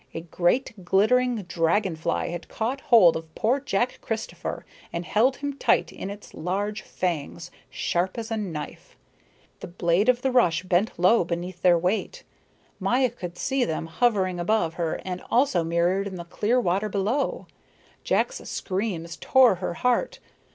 A great, glittering dragon fly had caught hold of poor Jack Christopher and held him tight in its large, fangs, sharp as a knife. The blade of the rush bent low beneath their weight. Maya could see them hovering above her and also mirrored in the clear water below. Jack's screams tore her heart.